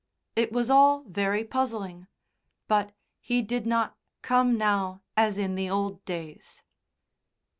It was all very puzzling. But he did not come now as in the old days.